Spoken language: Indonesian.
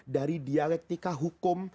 dari dialektika hukum